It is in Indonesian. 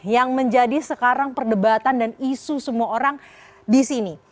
yang menjadi sekarang perdebatan dan isu semua orang di sini